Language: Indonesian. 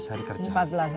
empat belas hari kerja